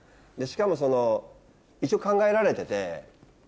しかも一応考えられてて。